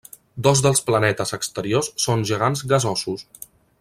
Dos dels planetes exteriors són gegants gasosos.